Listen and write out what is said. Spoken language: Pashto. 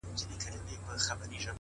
o و ماته به د دې وطن د کاڼو ضرورت سي،